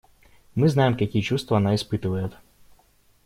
Мы знаем, какие чувства она испытывает.